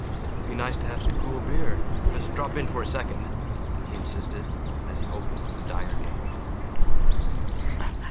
"Be nice to have some cool beer. Just drop in for a second," he insisted, as he opened the Dyer gate.